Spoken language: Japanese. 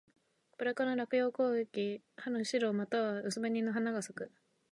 ばら科の落葉高木。春、白または薄紅の花が咲く。